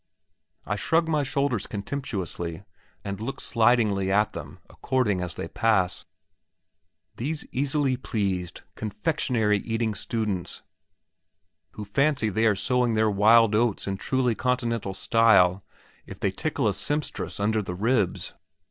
I shrug my shoulders contemptuously, and look slightingly at them according as they pass. These easily pleased, confectionery eating students, who fancy they are sowing their wild oats in truly Continental style if they tickle a sempstress under the ribs!